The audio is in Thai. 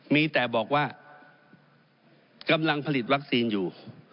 มีแต่บอกว่ากำลังผลิตวัคซีนอยู่